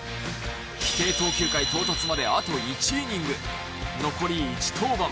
規定投球回到達まであと１イニング残り１登板。